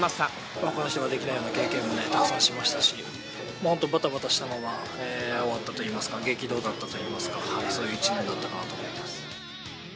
ほかの人ができないような経験をたくさんしましたし、本当ばたばたしたまま終わったといいますか、激動だったといいますか、そういう一年だったかなと思ってます。